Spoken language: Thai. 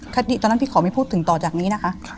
ตอนนั้นพี่ขอไม่พูดถึงต่อจากนี้นะคะ